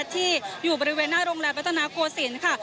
ที่อยู่บริเวณหน้าโรงแรมรัฐนาโกศิลป์ค่ะ